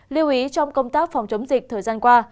lưu ý trong công tác phòng chống dịch thời gian qua